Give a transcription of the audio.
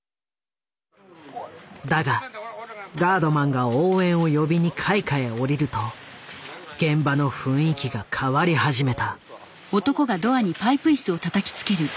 だがガードマンが応援を呼びに階下へ下りると現場の雰囲気が変わり始めた。